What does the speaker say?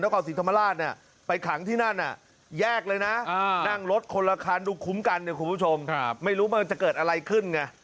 ไฟคนละคันดูขุมกันเนี่ยคุณผู้ชมครับครับไม่รู้มันจะเกิดอะไรขึ้นไง